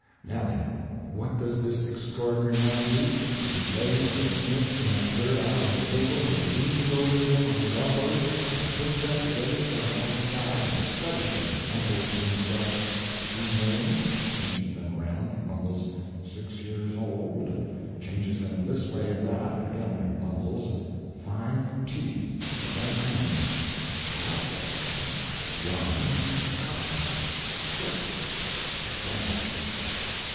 Now, then, what does this Extraordinary Man do? He lays those snips and that dirt out on the table and leans over them on his elbows, and puts them together side by side and studies them mumbles to himself, 'Female'; changes them around mumbles, 'Six years old'; changes them this way and that again mumbles: 'Five teeth one a coming Catholic yarn cotton kip damn that kip.'